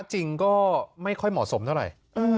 จริงก็ไม่ค่อยเหมาะสมเท่าไหร่